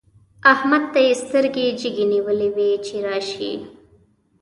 احمد ته يې سترګې جګې نيولې وې چې راشي.